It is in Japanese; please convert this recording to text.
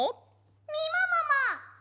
みももも！